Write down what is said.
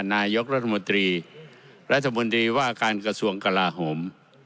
นายกรัฐมนตรีรัฐมนตรีว่าการกระทรวงกลาโหม